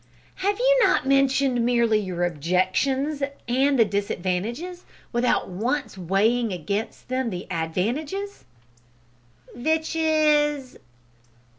"Have you not mentioned merely your objections and the disadvantages, without once weighing against them the advantages?" "Vich is